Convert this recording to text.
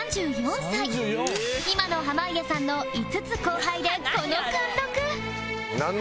今の濱家さんの５つ後輩でこの貫禄！